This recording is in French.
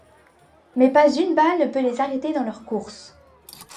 Mais pas une balle ne put les arrêter dans leur course!